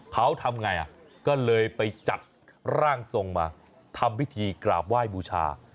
เขาทำไงก็เลยไปจัดร่างทรงมาทำพิธีกราบไหว้บูชา